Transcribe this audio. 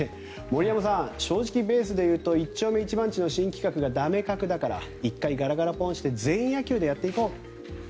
森山さん、正直ベースでいうと一丁目一番地の新企画がダメ確だから１回、ガラガラポンして全員野球でやっていこう。